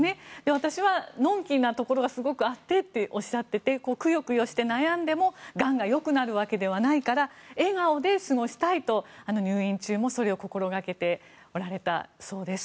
私はのんきなところがすごくあってとおっしゃっていてくよくよして悩んでもがんがよくなるわけではないから笑顔で過ごしたいと入院中もそれを心掛けておられたそうです。